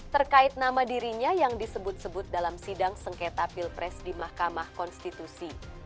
terkait nama dirinya yang disebut sebut dalam sidang sengketa pilpres di mahkamah konstitusi